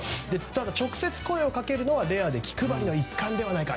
ただ、直接、声をかけるのはレアで気配りの一環ではないか。